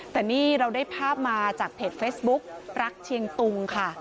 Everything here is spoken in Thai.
แต่นี่เราได้ภาพมาจากเพจเฟซบุ๊กรักเชียงตุงค่ะ